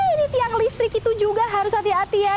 ini tiang listrik itu juga harus hati hati ya